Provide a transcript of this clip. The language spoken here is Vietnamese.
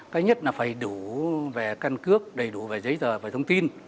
cái nhất là phải đủ về căn cước đầy đủ về giấy tờ về thông tin